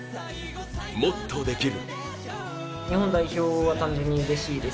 もっとできる。